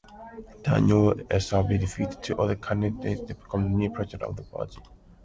Daniel Srb defeated two other candidates to become the new president of the party.